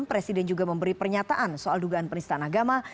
presiden juga memberi pernyataan soal dugaan penistaan agama